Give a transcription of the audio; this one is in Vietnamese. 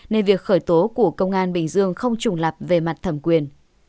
nên việc khởi tố của công an bình dương không trùng lập về mặt thẩm quyền